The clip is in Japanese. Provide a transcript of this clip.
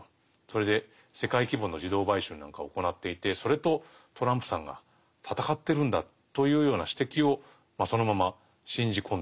それで世界規模の児童売春なんかを行っていてそれとトランプさんが戦ってるんだというような指摘をそのまま信じ込んでですね